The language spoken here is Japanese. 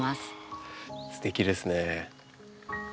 すてきですね。